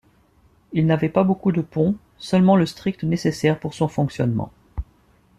Il n'avait pas beaucoup de ponts, seulement le strict nécessaire pour son fonctionnement.